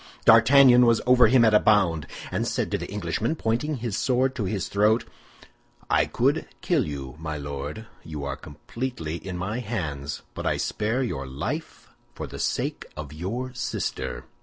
D'Artagnan was over him at a bound, and said to the Englishman, pointing his sword to his throat, "I could kill you, my Lord, you are completely in my hands; but I spare your life for the sake of your sister."